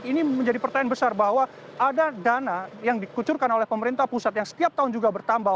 ini menjadi pertanyaan besar bahwa ada dana yang dikucurkan oleh pemerintah pusat yang setiap tahun juga bertambah